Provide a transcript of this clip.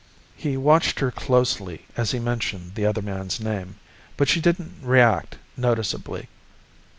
He watched her closely as he mentioned the other man's name, but she didn't react noticeably.